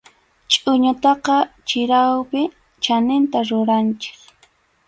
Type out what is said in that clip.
Chʼuñutaqa chirawpi chaninta ruranchik.